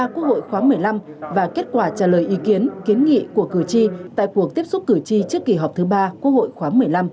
quốc hội khóa một mươi năm và kết quả trả lời ý kiến kiến nghị của cử tri tại cuộc tiếp xúc cử tri trước kỳ họp thứ ba quốc hội khóa một mươi năm